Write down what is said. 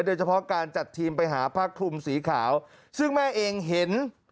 โดยเฉพาะการจัดทีมไปหาผ้าคลุมสีขาวซึ่งแม่เองเห็น